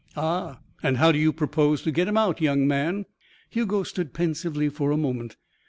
"Ah. And how do you propose to get him out, young man?" Hugo stood pensively for a moment.